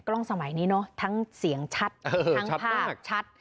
สมัยนี้เนอะทั้งเสียงชัดทั้งภาพชัด